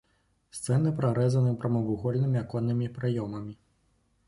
Сцены прарэзаны прамавугольнымі аконнымі праёмамі.